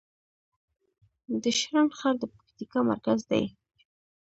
د شرن ښار د پکتیکا مرکز دی